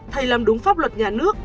thầy làm đúng pháp luật nhà nước